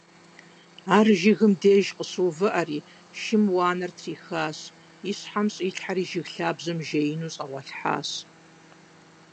Ар жыгым деж къыщыувыӀэри, шым уанэр трихщ, и щхьэм щӀилъхьэри, жыг лъабжьэм жеину щӀэгъуэлъхьащ.